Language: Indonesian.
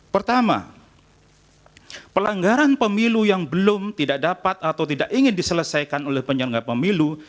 pertama pelanggaran pemilu yang belum tidak dapat atau tidak ingin diselesaikan oleh penyelenggara pemilu